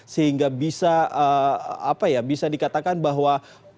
sehingga bisa apa ya bisa dikatakan bahwa